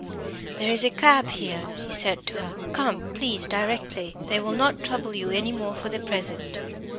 "There is a cab here," he said to her. "Come, please, directly. They will not trouble you any more for the present."